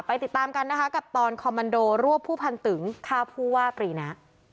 ติดตามกันนะคะกับตอนคอมมันโดรวบผู้พันตึงฆ่าผู้ว่าปรีนะ